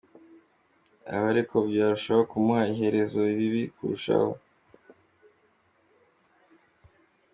Ibi ariko byarushaho kumuha iherezo ribi kurushaho.